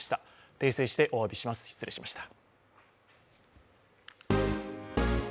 訂正しておわびします、失礼しました。